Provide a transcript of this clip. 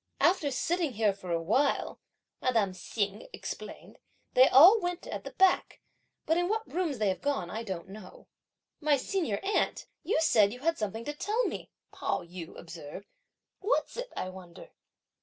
"After sitting here for a while," madame Hsing explained, "they all went at the back; but in what rooms they have gone, I don't know." "My senior aunt, you said you had something to tell me, Pao yü observed; what's it, I wonder?"